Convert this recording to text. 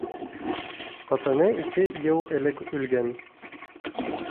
Ҡатыны ике йыл элек үлгән.